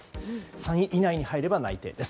３位以内に入れば内定です。